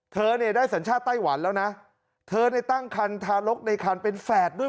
เธอเนี่ยได้สัญชาติไต้หวันแล้วนะเธอได้ตั้งคันทารกในคันเป็นแฝดด้วย